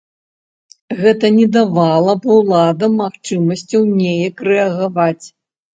Гэта не давала б уладам магчымасцяў неяк рэагаваць.